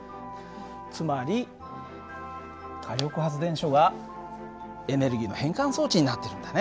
つまり火力発電所がエネルギーの変換装置になってるんだね。